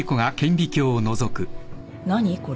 何これ？